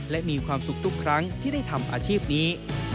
และมีความสุขทุกครั้งที่ได้ทำอาชีพนี้